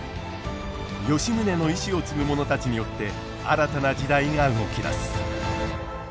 吉宗の遺志を継ぐ者たちによって新たな時代が動き出す。